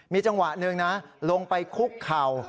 มีจังหวะหนึ่งนะลงไปคุกเข่า